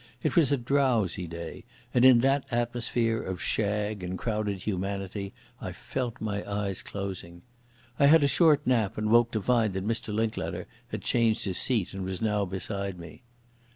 It was a drowsy day, and in that atmosphere of shag and crowded humanity I felt my eyes closing. I had a short nap, and woke to find that Mr Linklater had changed his seat and was now beside me.